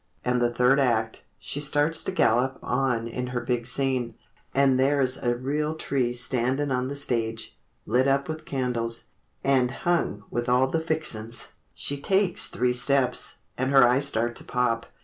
And the third act, She starts to gallop on in her big scene— And there's a real tree standin' on the stage, Lit up with candles, and hung with all the fixin's! She takes three steps—and her eyes start to pop.